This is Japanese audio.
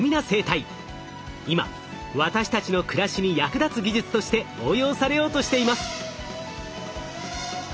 今私たちの暮らしに役立つ技術として応用されようとしています。